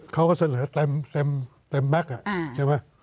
เขาก็เสนอเต็มแม็กซ์